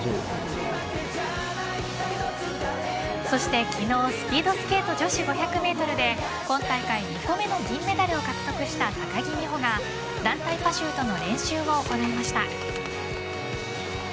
そして昨日スピードスケート女子５００メートルで今大会２個目の銀メダルを獲得した高木美帆が団体パシュートの練習を行いました。